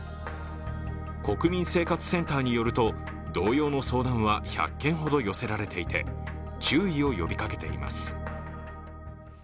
国民生活センターによると、同様の相談は１００件ほど寄せられていて、注意を呼びかけています。